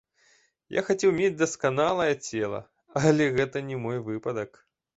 Я хацеў мець дасканалае цела, але гэта не мой выпадак.